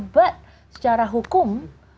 but secara hukum